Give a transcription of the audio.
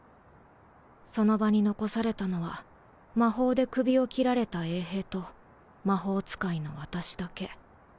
その場に残されたのは魔法で首を切られた衛兵と魔法使いの私だけ。